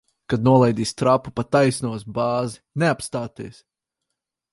Kad nolaidīs trapu, pa taisno uz bāzi. Neapstāties!